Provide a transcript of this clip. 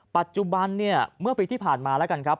ปัจจุบันเนี่ยเมื่อปีที่ผ่านมาแล้วกันครับ